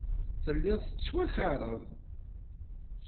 Telliḍ tettwakareḍ.